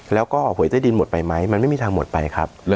แล้วก็หวยใต้ดินหมดไปไหมมันไม่มีทางหมดไปครับ